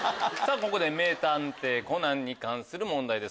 ここで『名探偵コナン』に関する問題です